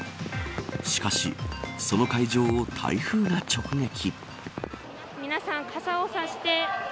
しかし、その会場を台風が直撃。